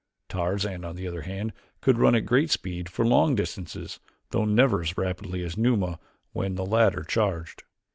Tarzan, on the other hand, could run at great speed for long distances, though never as rapidly as Numa when the latter charged.